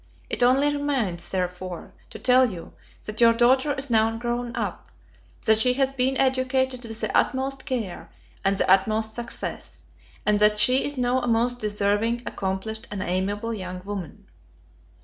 It only remains, therefore, to tell you, that your daughter is now grown up; that she has been educated with the utmost care, and the utmost success; and that she is now a most deserving, accomplished, and amiable young woman.